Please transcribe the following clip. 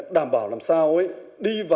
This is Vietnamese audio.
đảm bảo làm sao đi vào